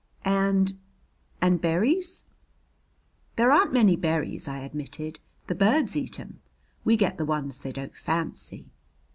"And and berries?" "There aren't many berries," I admitted. "The birds eat 'em. We get the ones they don't fancy."